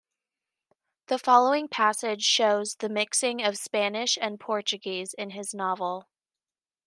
The following passage shows the mixing of Spanish and Portuguese in his novel.